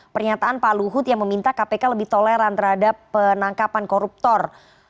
pernyataan pak luhut yang meminta kpk lebih toleran terhadap penangkapan koruptor